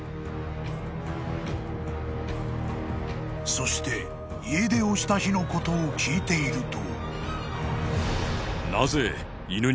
［そして家出をした日のことを聞いていると］